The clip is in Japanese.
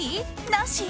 なし？